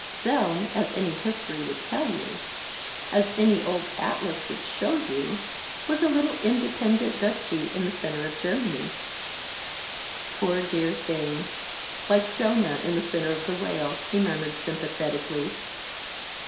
Zeln, as any history would tell you, as any old atlas would show you, was a little independent duchy in the center of Germany." "Poor dear thing! Like Jonah in the center of the whale," he murmured, sympathetically.